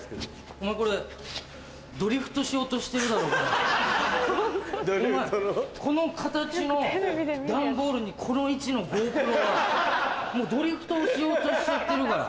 お前この形の段ボールにこの位置のＧｏＰｒｏはもうドリフトをしようとしちゃってるから。